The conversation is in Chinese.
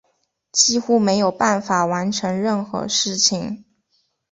几乎没有办法完成任何事情